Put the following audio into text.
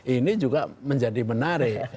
ini juga menjadi menarik